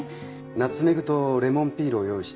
ナツメグとレモンピールを用意して。